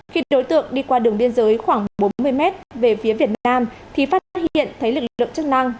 khi đối tượng đi qua đường biên giới khoảng bốn mươi m về phía việt nam thì phát hiện thấy lực lượng chức năng